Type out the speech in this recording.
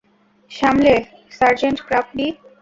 সামলে, sergeant Krupke.